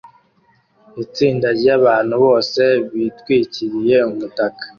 Itsinda ryabantu bose bitwikiriye umutaka